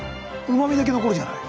うまみだけ残るじゃない。